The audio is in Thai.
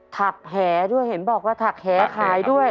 ถักแหด้วยเห็นบอกว่าถักแหขายด้วย